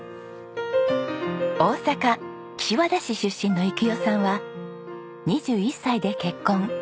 大阪岸和田市出身の育代さんは２１歳で結婚。